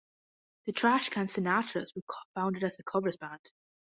The Trashcan Sinatras were founded as a covers band.